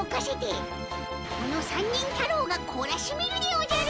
この三人太郎がこらしめるでおじゃる。